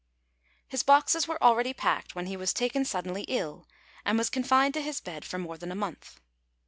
His boxes were all ready packed, when he was taken suddenly ill and was confined to his bed for more than a month.